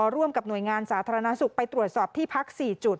ร่วมกับหน่วยงานสาธารณสุขไปตรวจสอบที่พัก๔จุด